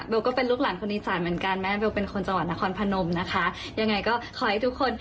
ก็เป็นลูกหลานคนอีสานเหมือนกันแม่เบลเป็นคนจังหวัดนครพนมนะคะยังไงก็ขอให้ทุกคน